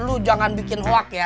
luh jangan bikin hoack ya